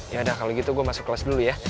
yaudah kalau gitu gua masuk kelas dulu ya